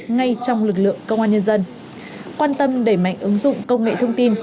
ngay trong lực lượng công an nhân dân quan tâm đẩy mạnh ứng dụng công nghệ thông tin